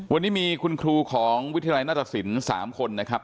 วันนี้มีคุณครูของวิทยาลัยนาฏศิลป์๓คนนะครับ